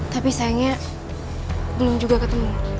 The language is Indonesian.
tapi sayangnya belum juga ketemu